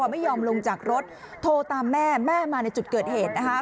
ไม่ยอมลงจากรถโทรตามแม่แม่มาในจุดเกิดเหตุนะคะ